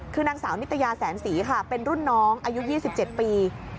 คือนางสาวนิตยาแสนศรีค่ะเป็นรุ่นน้องอายุ๒๗ปี